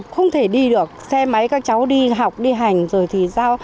không thể đi được xe máy các cháu đi học đi hành